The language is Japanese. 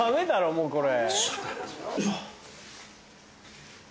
もうこれ。